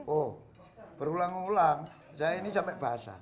oh berulang ulang saya ini sampai basah